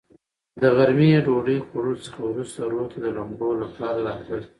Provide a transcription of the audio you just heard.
د غرمې ډوډوۍ خوړلو څخه ورورسته رود ته د لمبو لپاره راتلل.